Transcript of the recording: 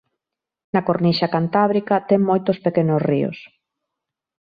Na cornixa cantábrica ten moitos pequenos ríos.